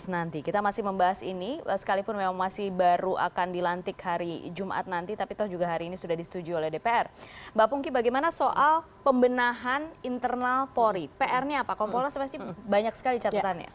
nah kita akan mulai dari internal polri pr nya apa kompolnya pasti banyak sekali catetannya